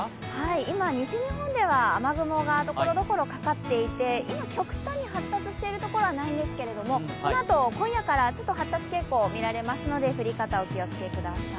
今、西日本では雨雲がところどころかかっていて、今、極端に発達しているところはないんですけどこのあと、今夜から発達傾向が見られますので降り方、置きをつけください。